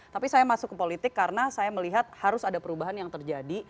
tapi saya masuk ke politik karena saya melihat harus ada perubahan yang terjadi